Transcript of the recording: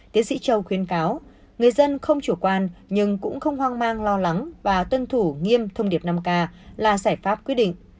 tiến sĩ châu khuyến cáo người dân không chủ quan nhưng cũng không hoang mang lo lắng và tuân thủ nghiêm thông điệp năm k là giải pháp quyết định